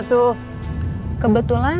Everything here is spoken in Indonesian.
kebetulan atau memang kebetulan